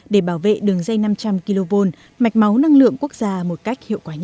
để bảo vệ đường dây năm trăm linh kv mạch máu năng lượng quốc gia một cách hiệu quả nhất